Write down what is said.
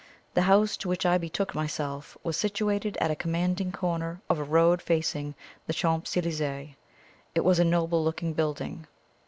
The house to which I betook myself was situated at a commanding corner of a road facing the Champs Elysees. It was a noble looking building.